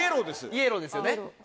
イエローですよね。